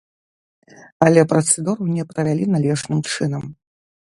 Але працэдуру не правялі належным чынам.